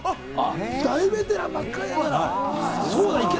大ベテランばっかりだから。